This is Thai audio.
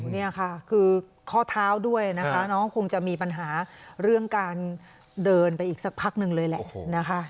นี่ค่ะคือข้อเท้าด้วยนะคะน้องคงจะมีปัญหาเรื่องการเดินไปอีกสักพักหนึ่งเลยแหละนะคะ